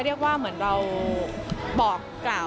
เล็กค่ะ